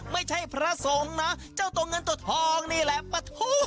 ไม่ใช่พระสงฆ์นะเจ้าตัวเงินตัวทองนี่แหละปะทุ